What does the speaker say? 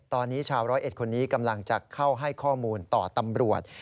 ตอนนี้ชาวร้อยเอ็ดคนนี้กำลังจะเข้าให้ข้อมูลต่อตำรวจ